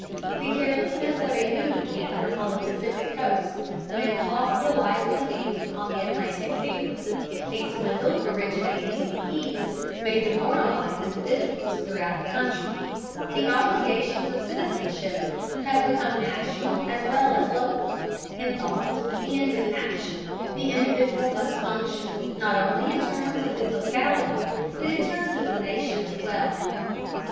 The carelessness of a food canner on the Pacific coast may cost the life of a family on the Atlantic seaboard; a swindle originating in the East may demoralize individuals throughout the country. The obligations of citizenship have become national as well as local; in thought and in action the individual must function, not only in terms of his locality, but in terms of the nation as well.